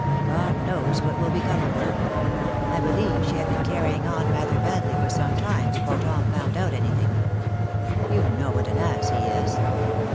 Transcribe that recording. God knows what will become of her. I believe she had been carry I98 THE DAY WILL COME. ing on rather badly for some time before Tom found out anything. You know what an ass he is.